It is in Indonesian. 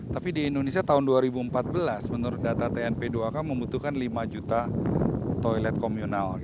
tapi di indonesia tahun dua ribu empat belas menurut data tnp dua k membutuhkan lima juta toilet komunal